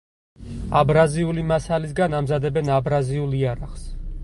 აბრაზიული მასალისაგან ამზადებენ აბრაზიულ იარაღს.